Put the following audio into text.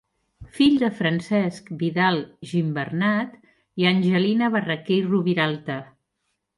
Fill de Francesc Vidal Gimbernat i Angelina Barraquer i Roviralta.